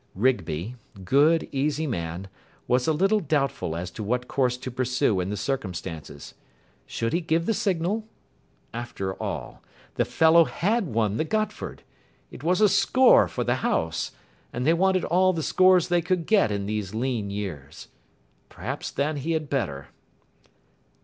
Rigby, good, easy man, was a little doubtful as to what course to pursue in the circumstances. Should he give the signal? After all, the fellow had won the Gotford. It was a score for the house, and they wanted all the scores they could get in these lean years. Perhaps, then, he had better.